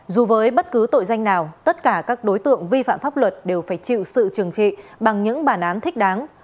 dù với bất cứ tội danh nào tất cả các đối tượng vi phạm pháp luật đều phải chịu sự trừng trị bằng những bản án thích đáng